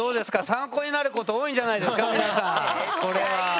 参考になること多いんじゃないですか皆さん。